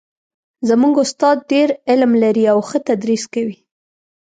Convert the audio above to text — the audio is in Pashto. زموږ استاد ډېر علم لري او ښه تدریس کوي